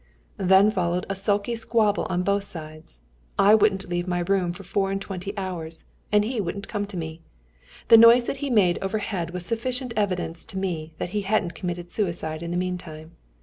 Then followed a little sulky squabble on both sides. I wouldn't leave my room for four and twenty hours; he wouldn't come to me. The noise that he made over head was sufficient evidence to me that he hadn't committed suicide in the meantime.